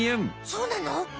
そうなの？